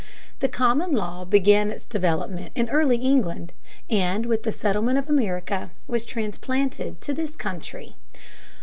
] The common law began its development in early England, and with the settlement of America was transplanted to this country.